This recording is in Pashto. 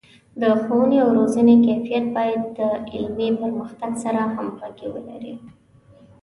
د ښوونې او روزنې کیفیت باید د علمي پرمختګ سره همغږي ولري.